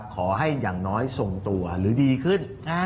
ขอให้อย่างน้อยส่งตัวหรือดีขึ้น